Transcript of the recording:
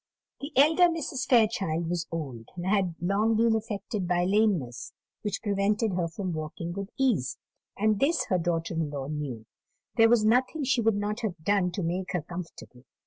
The elder Mrs. Fairchild was old, and had long been affected by lameness, which prevented her from walking with ease; and this her daughter in law knew. There was nothing she would not have done to make her comfortable.